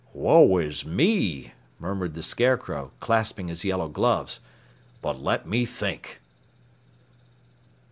"Woe is me," murmured the Scarecrow, clasping his yellow gloves. "But let me think."